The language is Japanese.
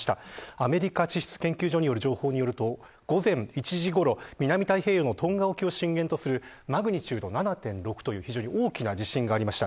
アメリカ地質研究所によりますと午前１時ごろ南太平洋のトンガ沖を震源とするマグニチュード７．６という非常に大きな地震がありました。